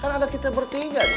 kan ada kita bertiga nih